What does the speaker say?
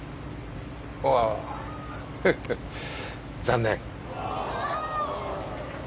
ああ残念。